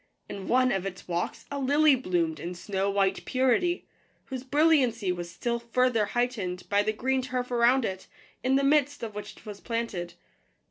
In one of its walks a lily bloomed in snow white purity, whose brilliancy was still further heightened by the green turf around it, in the midst of which it was planted.